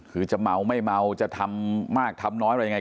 คือจะเมาไม่เมาจะทำมากทำน้อยอะไรยังไง